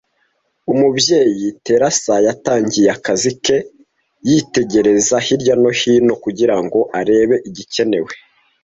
Umubyeyi Teresa yatangiye akazi ke yitegereza hirya no hino kugira ngo arebe igikenewe.